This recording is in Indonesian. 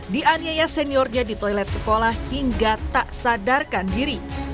dianiaya seniornya di toilet sekolah hingga tak sadarkan diri